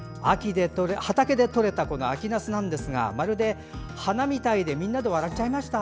畑でとれた秋なすなんですがまるで鼻みたいでみんなで笑っちゃいました。